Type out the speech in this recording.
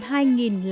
hai lá đồn